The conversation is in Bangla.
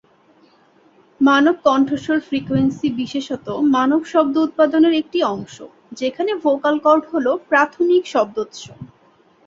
মানব কণ্ঠস্বর ফ্রিকোয়েন্সি বিশেষত মানব শব্দ উৎপাদনের একটি অংশ যেখানে ভোকাল কর্ড হলো প্রাথমিক শব্দোৎস।